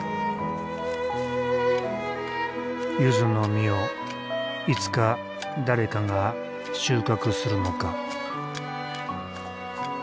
ゆずの実をいつか誰かが収穫するのか。